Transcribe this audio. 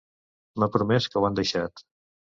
M’ha promés que ho han deixat.